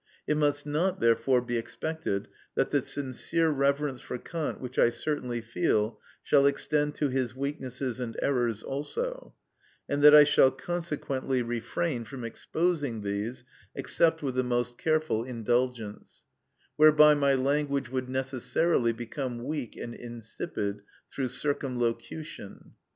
It must not, therefore, be expected that the sincere reverence for Kant which I certainly feel shall extend to his weaknesses and errors also, and that I shall consequently refrain from exposing these except with the most careful indulgence, whereby my language would necessarily become weak and insipid through circumlocution.